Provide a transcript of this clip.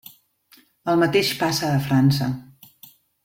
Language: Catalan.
El mateix passa a França.